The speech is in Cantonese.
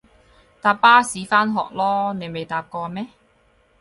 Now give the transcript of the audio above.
搭巴士返學囉，你未搭過咩？